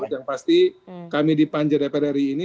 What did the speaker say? yang pasti kami di panjadeperari ini